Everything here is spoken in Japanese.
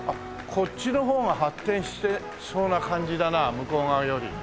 こっちの方が発展してそうな感じだな向こう側より。